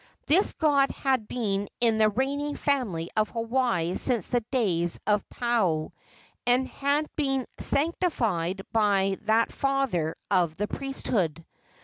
This god had been in the reigning family of Hawaii since the days of Paao, and had been sanctified by that father of the priesthood.